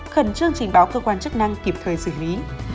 khẩn trương trình báo cơ quan chức năng kịp thời xử lý